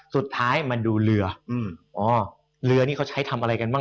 สามารถเจอกัน